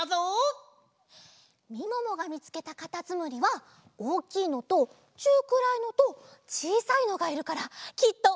みももがみつけたかたつむりはおおきいのとちゅうくらいのとちいさいのがいるからきっとおやこだね！